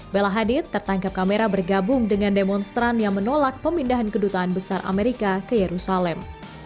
bella hadid tertangkap kamera bergabung dengan demonstran yang menolak pemindahan kedutaan besar amerika ke yerusalem